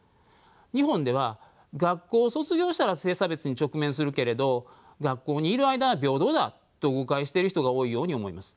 日本では学校を卒業したら性差別に直面するけれど学校にいる間は平等だと誤解している人が多いように思います。